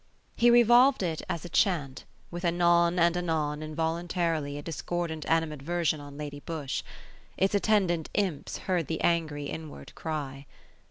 He revolved it as a chant: with anon and anon involuntarily a discordant animadversion on Lady Busshe. Its attendant imps heard the angry inward cry.